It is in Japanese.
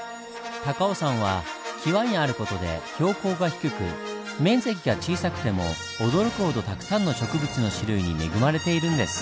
高尾山はキワにある事で標高が低く面積が小さくても驚くほどたくさんの植物の種類に恵まれているんです。